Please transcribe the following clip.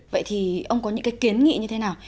vậy thì ông có những cái kiến nghị như thế nào